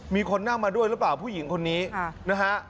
มีคนนั่งมาด้วยหรือเปล่าผู้หญิงคนนี้นะฮะ